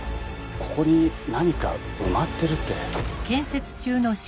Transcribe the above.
ここに何か埋まってるって。